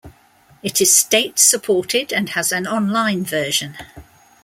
It is state supported and has an online version.